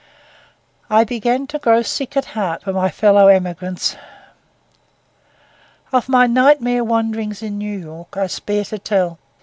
I began to grow sick at heart for my fellow emigrants. Of my nightmare wanderings in New York I spare to tell.